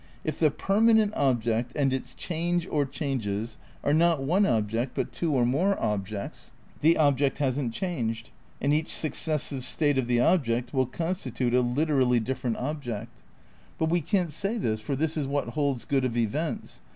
If the per manent object and its change or changes are not one object but two or more objects, the object hasn't changed, and each successive state of the object will constitute a literally different object. But we can't say this, for this is what holds good of events.